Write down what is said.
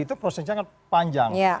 itu prosesnya panjang